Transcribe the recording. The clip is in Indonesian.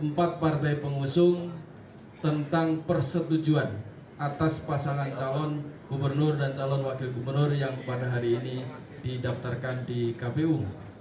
empat partai pengusung tentang persetujuan atas pasangan calon gubernur dan calon wakil gubernur yang pada hari ini didaftarkan di kpu